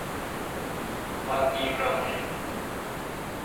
ファンキーフランケン